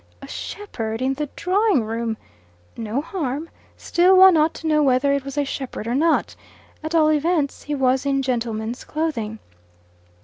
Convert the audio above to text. A shepherd in the drawing room! No harm. Still one ought to know whether it was a shepherd or not. At all events he was in gentleman's clothing.